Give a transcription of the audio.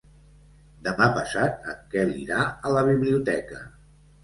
Demà passat en Quel irà a la biblioteca.